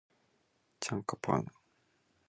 チャンカパーナ